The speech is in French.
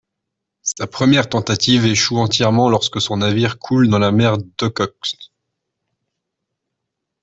Sa première tentative échoue entièrement lorsque son navire coule dans la mer d'Okhotsk.